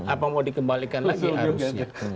apa mau dikembalikan lagi harusnya